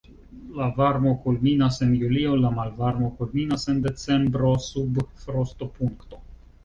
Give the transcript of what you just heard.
La varmo kulminas en julio, la malvarmo kulminas en decembro sub frostopunkto.